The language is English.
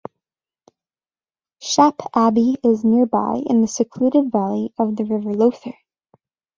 Shap Abbey is nearby in the secluded valley of the river Lowther.